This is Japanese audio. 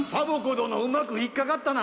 どのうまくひっかかったな。